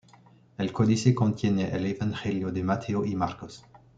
El codice contiene el Evangelio de Mateo y Marcos.